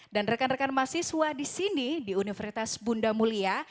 dan rekan rekan mahasiswa disini di universitas bunda mulia